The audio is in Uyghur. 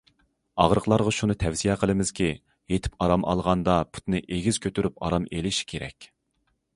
ئاغرىقلارغا شۇنى تەۋسىيە قىلىمىزكى، يېتىپ ئارام ئالغاندا، پۇتنى ئېگىز كۆتۈرۈپ ئارام ئېلىشى كېرەك.